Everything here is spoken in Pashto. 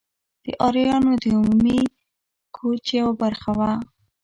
د آریایانو د عمومي کوچ یوه برخه وه.